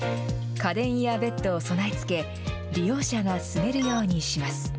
家電やベッドを備え付け、利用者が住めるようにします。